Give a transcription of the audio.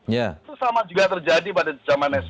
itu sama juga terjadi pada zaman sbe kan begitu